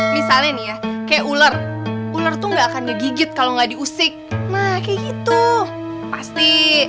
misalnya nih ya kayak ular ular tuh nggak akan ngegigit kalau nggak diusik mah kayak gitu pasti